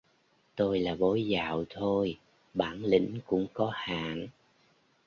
tôi là bói dạo thôi, bản lĩnh cũng có hạn